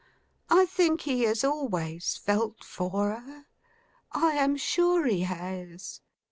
I think he has always felt for her. I am sure he has.